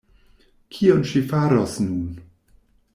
Kion ŝi faros nun?